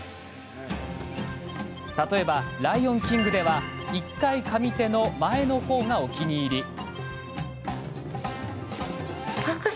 例えば「ライオンキング」では１階上手の前のほうがお気に入り。